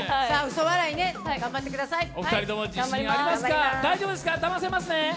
お二人とも自信ありますか、だませますね。